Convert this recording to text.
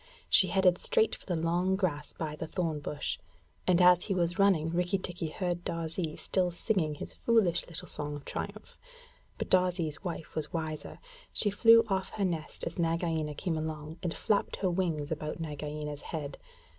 She headed straight for the long grass by the thorn bush, and as he was running Rikki tikki heard Darzee still singing his foolish little song of triumph. But Darzee's wife was wiser. She flew off her nest as Nagaina came along and flapped her wings about Nagaina's head.